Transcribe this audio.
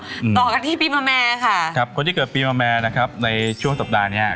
ต่อกันที่ปีมะแม่ค่ะครับคนที่เกิดปีมะแม่นะครับในช่วงสัปดาห์เนี้ย